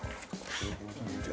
じゃあ。